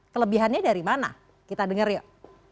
kelebihannya dari mana kita dengar yuk